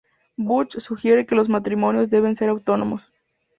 Bunch sugiere que los matrimonios deben ser autónomos.